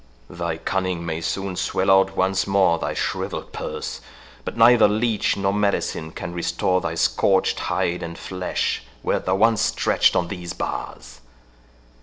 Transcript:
Thy cunning may soon swell out once more thy shrivelled purse, but neither leech nor medicine can restore thy scorched hide and flesh wert thou once stretched on these bars.